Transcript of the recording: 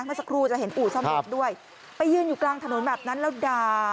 เมื่อสักครู่จะเห็นอู่ซ่อมรถด้วยไปยืนอยู่กลางถนนแบบนั้นแล้วด่า